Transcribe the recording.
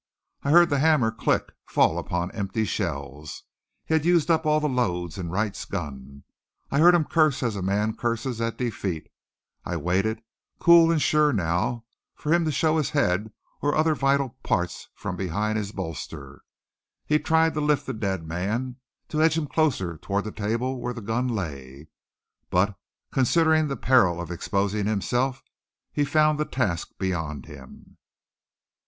I heard the hammer click, fall upon empty shells. He had used up all the loads in Wright's gun. I heard him curse as a man cursed at defeat. I waited, cool and sure now, for him to show his head or other vital part from behind his bolster. He tried to lift the dead man, to edge him closer toward the table where the gun lay. But, considering the peril of exposing himself, he found the task beyond him.